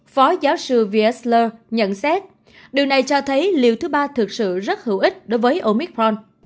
phó giáo sư vesler nhận xét điều này cho thấy liều thứ ba thực sự rất hữu ích đối với omicron